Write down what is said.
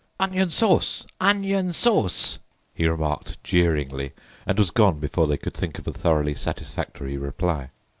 "Onion sauce! Onion sauce!" he remarked jeeringly, and was gone before they could think of a thoroughly satisfactory reply.